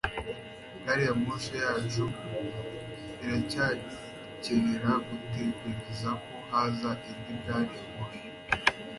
Gari ya moshi yacu iracyakeneye gutegereza ko haza indi gari ya moshi.